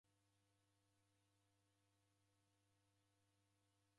Ndedikuchuriagha ngelo.